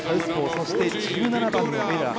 そして、１７番のエレラ。